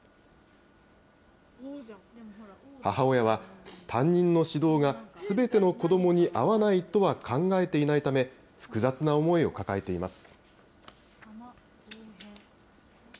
母親は、担任の指導がすべての子どもに合わないとは考えていないため、複雑な思いを抱えています。